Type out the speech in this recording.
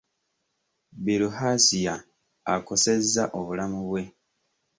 Bilharzia akosezza obulamu bwe.